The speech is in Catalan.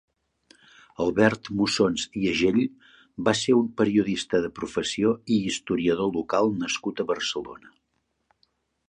Albert Musons i Agell va ser un periodista de professió i historiador local nascut a Barcelona.